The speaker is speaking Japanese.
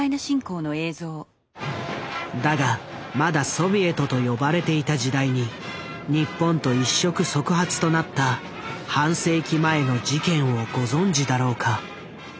だがまだソビエトと呼ばれていた時代に日本と一触即発となった半世紀前の事件をご存じだろうか。